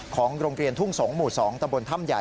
ของโรงเรียนทุ่งสงศหมู่๒ตำบลถ้ำใหญ่